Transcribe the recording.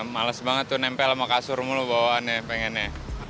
males banget tuh nempel sama kasurmu lu bawaan ya pengennya